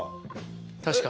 確か。